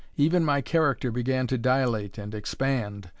Even my character began to dilate and expand.